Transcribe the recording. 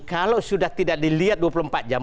kalau sudah tidak dilihat dua puluh empat jam